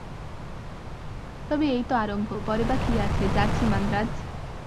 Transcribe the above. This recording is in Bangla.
তবে এই তো আরম্ভ, পরে বা কি আছে! যাচ্চি মান্দ্রাজ।